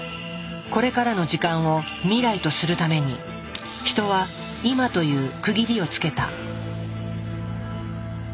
これからの時間を「未来」とするためにヒトは「今」という区切りをつけた。